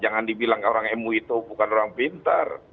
jangan dibilang orang mui itu bukan orang pintar